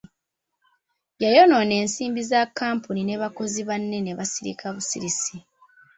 Yayonoona ensimbi za kkampuni ne bakozi banne ne basirika busirisi.